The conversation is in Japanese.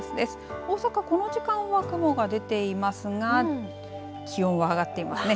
この時間は雲が出ていますが気温は上がっていますね。